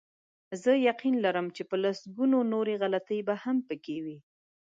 زه یقین لرم چې په لسګونو نورې غلطۍ به هم پکې وي.